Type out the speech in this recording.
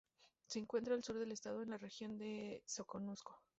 Se encuentra al sur del estado en la región del Soconusco.